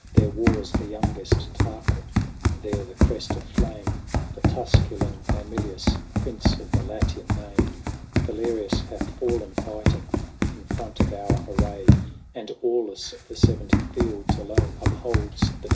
There wars the youngest Tarquin, And there the Crest of Flame, The Tusculan Mamilius, Prince of the Latian name. Valerius hath fallen fighting In front of our array ; And Aulus of the seventy fields Alone upholds the day."